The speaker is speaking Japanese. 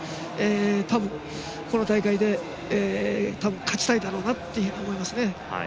たぶん、この大会で勝ちたいだろうなと思いますね。